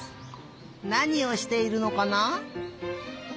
なにをしているのかな？